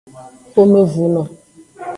Xomevunu.